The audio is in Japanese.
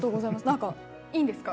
何かいいんですか？